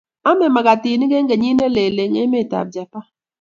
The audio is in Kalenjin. Ame magatinik eng kenyit nelel eng emetab Japan